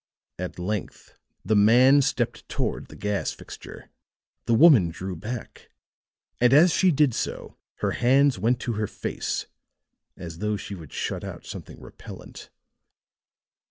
At length the man stepped toward the gas fixture, the woman drew back, and as she did so her hands went to her face as though she would shut out something repellent.